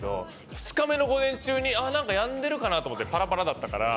２日目の午前中にあっ、何かやんでるかなと思ってパラパラだったから。